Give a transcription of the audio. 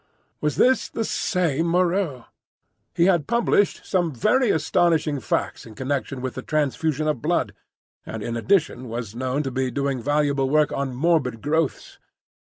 Was this the same Moreau? He had published some very astonishing facts in connection with the transfusion of blood, and in addition was known to be doing valuable work on morbid growths.